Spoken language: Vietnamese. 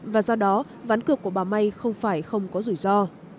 và do đó ván cược của bà may không phải không có rủi ro